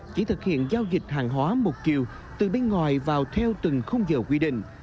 chỉ thực hiện giao dịch hàng hóa một kiều từ bên ngoài vào theo từng khung giờ quy định